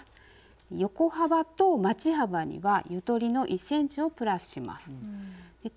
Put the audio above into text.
横幅とまち幅にはゆとりの１ｃｍをプラスします。